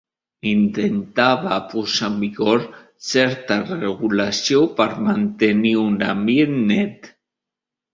Intentava posar en vigor certa regulació per mantenir un ambient net.